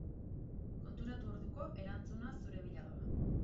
Konturatu orduko, erantzuna zure bila doa.